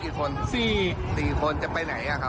เกี่ยวกับพี่มากับกี่คน๔จะไปไหนอ่ะครับ